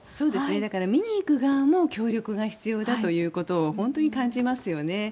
見に行く側も協力が必要だということを本当に感じますよね。